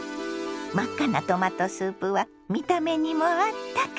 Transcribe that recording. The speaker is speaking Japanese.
真っ赤なトマトスープは見た目にもあったか。